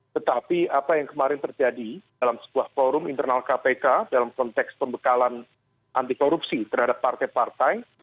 tetapi apa yang kemarin terjadi dalam sebuah forum internal kpk dalam konteks pembekalan anti korupsi terhadap partai partai